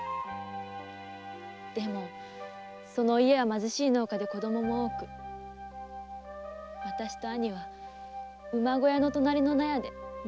でもその家は貧しい農家で子供も多く私と兄は馬小屋の隣の納屋で寝起きする毎日でした。